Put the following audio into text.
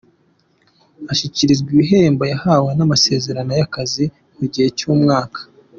Ashyikirizwa ibihembo, yahawe n’amasezerano y’akazi mu gihe cy’umwaka.